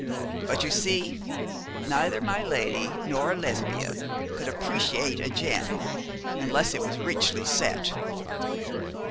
But, you see, neither my lady nor Lesbia could appreciate a gem, unless it was richly set.'